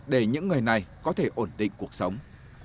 để những người này có thể ổn định cuộc sống